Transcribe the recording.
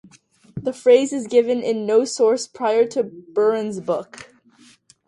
The phrase is given in no source prior to Buehren's book.